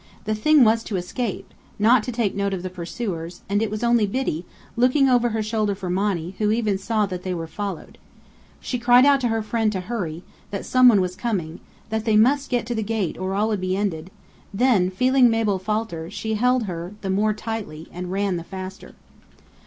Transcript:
The thing was to escape, not to take note of the pursuers; and it was only Biddy, looking over her shoulder for Monny, who even saw that they were followed. She cried out to her friend to hurry, that some one was coming, that they must get to the gate or all would be ended; then feeling Mabel falter, she held her more tightly and ran the faster.